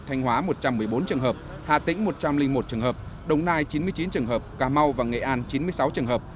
thanh hóa một trăm một mươi bốn trường hợp hà tĩnh một trăm linh một trường hợp đồng nai chín mươi chín trường hợp cà mau và nghệ an chín mươi sáu trường hợp